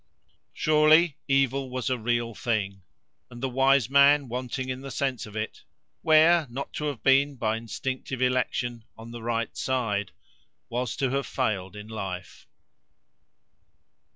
Surely evil was a real thing, and the wise man wanting in the sense of it, where, not to have been, by instinctive election, on the right side, was to have failed in life.